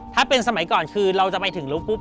ถ้าเป็นสมัยก่อนคือเราจะไปถึงลุคปุ๊บ